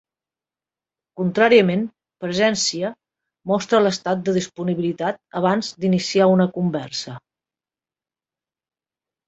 Contràriament, Presència mostra l'estat de disponibilitat abans d'iniciar una conversa.